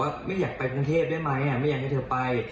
ไม่อยากไปกรุงเทพได้ไหมไม่อยากให้เธอไป